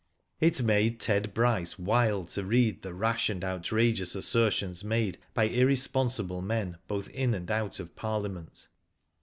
It made Ted Bryce wild to read the rash and outrageous assertions made by irresponsible men both in and out of Parliament.